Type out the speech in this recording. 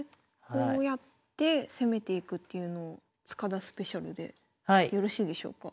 こうやって攻めていくっていうのを塚田スペシャルでよろしいでしょうか？